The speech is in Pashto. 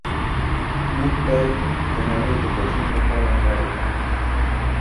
موږ باید د نړۍ د بدلون لپاره کار وکړو.